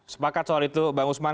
sepakat soal itu bang usman